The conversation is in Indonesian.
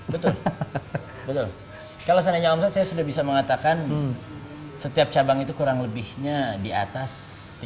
betul betul kalau seandainya omset saya sudah bisa mengatakan setiap cabang itu kurang lebihnya di atas tiga puluh